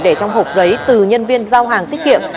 để trong hộp giấy từ nhân viên giao hàng tiết kiệm